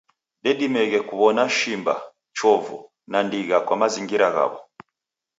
Dedimeghe kuwona shimba, chovu, na ndigha kwa mazingira ghawo.